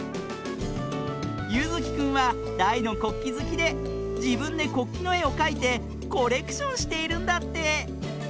ゆずきくんはだいのこっきずきでじぶんでこっきの「え」をかいてコレクションしているんだって。